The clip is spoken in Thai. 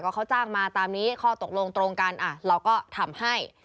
เขาจ้างมาตามนี้ข้อตกลงตรงกันเราก็ทำให้